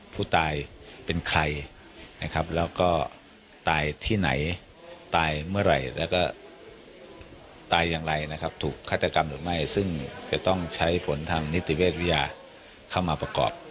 ผู้ตายเป็นใครนะครับแล้วก็ตายที่ไหนตายเมื่อไหร่แล้วก็ตายอย่างไรนะครับถูกฆาตกรรมหรือไม่ซึ่งจะต้องใช้ผลทางนิติเวชวิทยาเข้ามาประกอบ